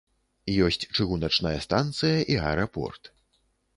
Ёсць чыгуначная станцыя і аэрапорт.